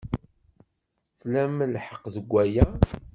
Tlam lḥeqq deg waya.